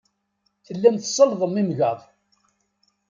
Tellam tsellḍem igmaḍ.